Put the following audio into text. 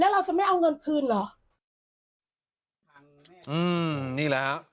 เราจะไม่เอาเงินคืนเหรออืมนี่แหละฮะ